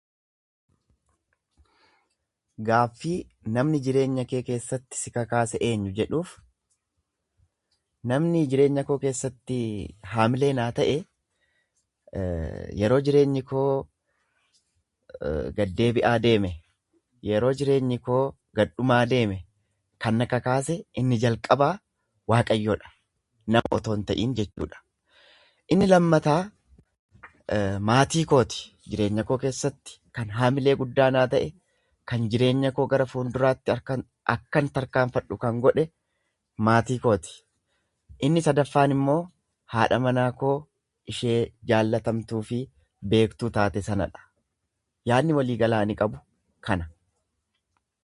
Gaaffii namni jireenya kee keessatti si kakaase eenyu jedhuuf, namni jireenya koo keessatti hamlee naa ta'e, yeroo jireenyi koo gaddeebi'aa deeme, yeroo jireenyi koo gadhumaa deeme, kan na kakaase inni jalqabaa Waaqayyodha, nama otoo hin ta'iin jechuudha. Inni lammataa maatii kooti, jireenya koo keessatti kan hamlee guddaa naa ta'e, kan jireenya koo gara fuulduraatti arkan.. akkan tarkaanfadhu kan godhe maatii kooti. Inni sadaffaanimmoo haadha mana koo ishee jaallatamtuu fi beektuu taate sana dha. Yaanni waliigalaa ani qabu kana.